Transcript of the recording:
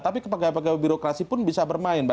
tapi pegawai pegawai birokrasi pun bisa bermain